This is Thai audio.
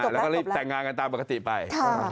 แล้วก็รีบแต่งงานกันตามปกติไป